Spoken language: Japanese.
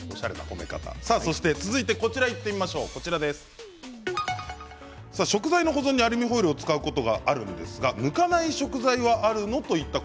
続いて食材の保存にアルミホイルを使うことがあるんですが向かない食材はあるの？といった